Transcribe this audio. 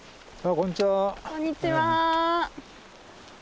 こんにちは。